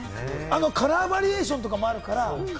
カラーバリエーションとかもあるから。